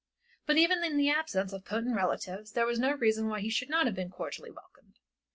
But even in the absence of potent relatives, there was no reason why he should not have been cordially welcomed.